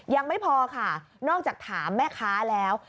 ยังไม่พอค่ะนอกจากถามแม่ค้าแล้ว